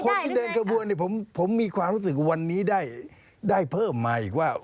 คนที่เดินกระบวนผมมีความรู้สึกว่าวันนี้ได้เพิ่มมาอีกว่า